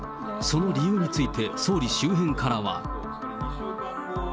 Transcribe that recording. その理由について総理周辺からは。